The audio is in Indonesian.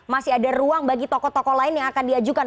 masih ada ruang bagi tokoh tokoh lain yang akan diajukan